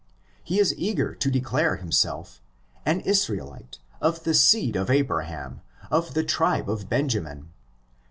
He is eager to declare himself ''an Israelite, of the seed of Abraham, of the tribe of Benjamin" (xi.1).